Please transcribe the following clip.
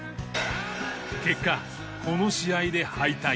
結果この試合で敗退。